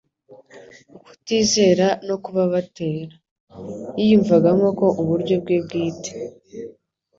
ukutizera no kuba batera. Yiyumvagamo ko uburyo bwe bwite